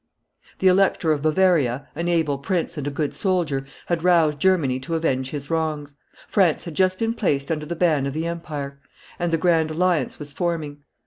The Elector of Bavaria, an able prince and a good soldier, had roused Germany to avenge his wrongs; France had just been placed under the ban of the empire; and the grand alliance was forming.